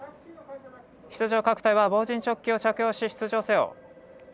出場各隊は防刃チョッキを着用して出場せよ。